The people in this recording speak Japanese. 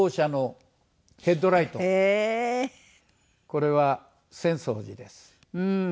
これは浅草寺です。